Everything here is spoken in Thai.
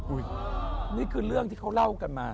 นี่คือเรื่องที่เขาเล่ากันมา